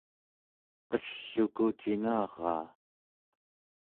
qell'uku cingaraa